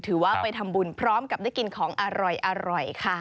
ถือว่าไปทำบุญพร้อมกับได้กินของอร่อยค่ะ